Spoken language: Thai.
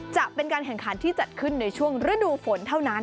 จะเป็นการแข่งขันที่จัดขึ้นในช่วงฤดูฝนเท่านั้น